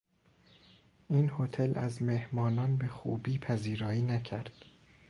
این هتل از مهمانان به خوبی پذیرایی نکرد.